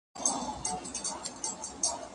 چې دوی پرې نړۍ تسخير کړي.